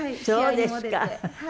そうですか。